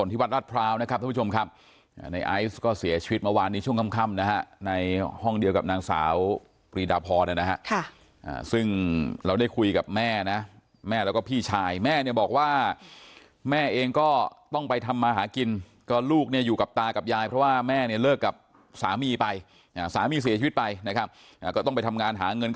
ตาร็วรถมันชนแล้วก็ลุคตามันแตก